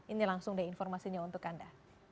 ini langsung deh informasinya untuk anda